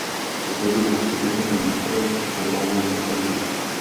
Zde byl postup jednotek zastaven těžkou palbou z opevnění.